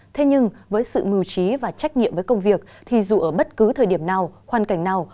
thế nhưng với sự mưu trí và trách nhiệm với công việc thì dù ở bất cứ thời điểm nào hoàn cảnh nào